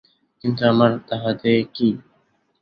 কিন্তু, আমার তাহাতে কী।